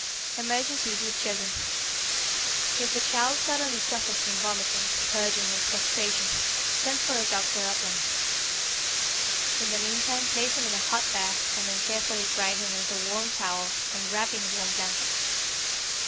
=Emergencies with Children.= If the child suddenly suffers from vomiting, purging, and prostration, send for a doctor at once. In the meantime place him in a hot bath and then carefully dry him with a warm towel and wrap in warm blankets.